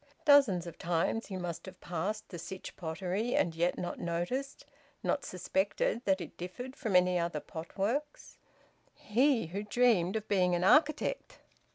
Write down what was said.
Dozens of times he must have passed the Sytch Pottery, and yet not noticed, not suspected, that it differed from any other pot works: he who dreamed of being an architect!